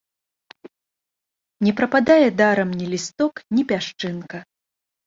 Не прападае дарам ні лісток, ні пясчынка.